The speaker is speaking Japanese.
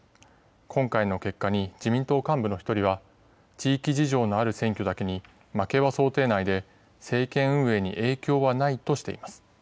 今回の結果に自民党幹部の１人は地域事情のある選挙だけに負けは想定内で、政権運営に影響はないとしています。